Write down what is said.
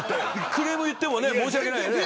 クレーム言っても申し訳ないよね。